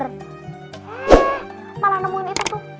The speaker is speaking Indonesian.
eh malah nemuin itu tuh